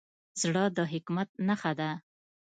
زړه د حکمت نښه ده.